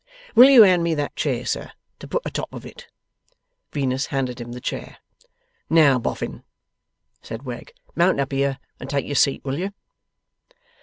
Will you hand me that chair, sir, to put a top of it?' Venus handed him the chair. 'Now, Boffin,' said Wegg, 'mount up here and take your seat, will you?